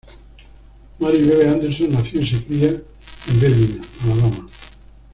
Mary Bebe Anderson nació y se cria en Birmingham, Alabama.